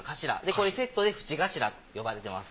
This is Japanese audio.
これセットで縁頭って呼ばれてます。